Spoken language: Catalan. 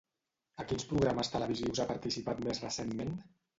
A quins programes televisius ha participat més recentment?